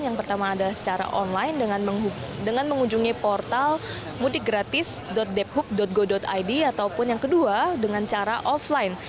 yang pertama adalah secara online dengan mengunjungi portal mudikgratis debhub go id ataupun yang kedua dengan cara offline